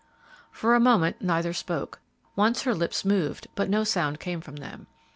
For a moment neither spoke; once her lips moved, but no sound came from them.